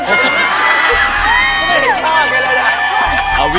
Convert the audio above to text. ก็ไม่เห็นข้ากันเลยนะ